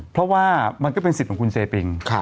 เพราะว่ามันก็เป็นสิทธิ์ของคุณเซปิง